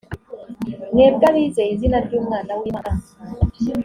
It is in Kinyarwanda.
mwebwe abizeye izina ry umwana w imana